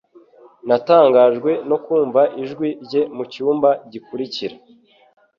Natangajwe no kumva ijwi rye mucyumba gikurikira